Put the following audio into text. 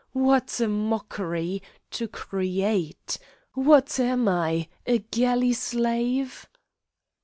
What a mockery! To create! What am I, a galley slave?"